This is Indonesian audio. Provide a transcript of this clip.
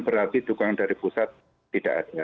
berarti dukungan dari pusat tidak ada